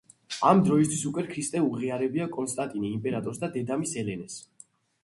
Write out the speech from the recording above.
ამ დროისთვის უკვე ქრისტე უღიარებია კონსტანტინე იმპერატორს და დედამისს, ელენეს.